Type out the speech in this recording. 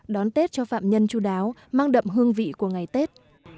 đón tết cho phạm nhân chú đáo mang đậm hương vị của ngày tết